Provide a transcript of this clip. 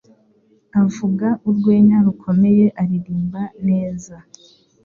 avuga urwenya rukomeye aririmba neza